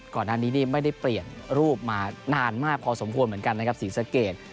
ก่อนหน้านี้นี่ไม่ได้เปลี่ยนรูปมานานมากพอสมควรเหมือนกันนะครับศรีสะเกด